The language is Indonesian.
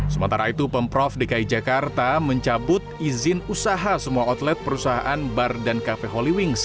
sementara itu pemprov dki jakarta mencabut izin usaha semua outlet perusahaan bar dan kafe holy wings